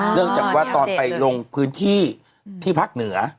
เนื่องจากตอนไปลงพื้นที่พักเหนือ